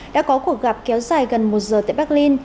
đã có cuộc gặp kéo dài gần một giờ tại berlin